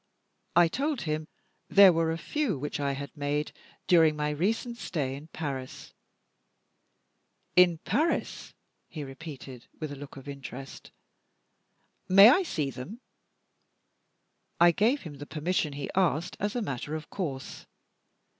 I told him there were a few which I had made during my recent stay in Paris; "In Paris?" he repeated, with a look of interest; "may I see them?" I gave him the permission he asked as a matter of course.